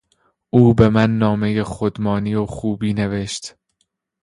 او به من نامهی خودمانی و خوبی نوشت.